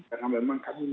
karena memang kami mimpinya